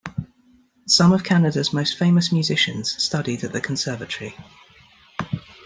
Some of Canada's most famous musicians studied at the Conservatory.